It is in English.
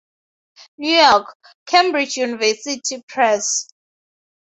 New York: Cambridge University Press.